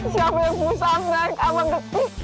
siapa yang bisa naik sama getikku